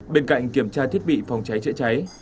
bên cạnh kiểm tra thiết bị phòng cháy chữa cháy